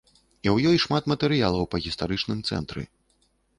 І ў ёй шмат матэрыялаў па гістарычным цэнтры.